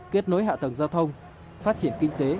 kết nối hạ tầng giao thông phát triển kinh tế